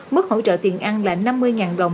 mức hỗ trợ tiền ăn là năm mươi đồng